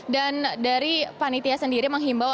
dan dari panitia sendiri menghimbau